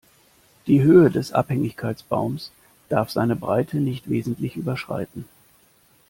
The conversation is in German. Die Höhe des Abhängigkeitsbaums darf seine Breite nicht wesentlich überschreiten.